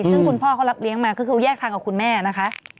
ซึ่งคุณพ่อเขารับเลี้ยงมาก็คือแยกทางกับคุณแม่นะคะ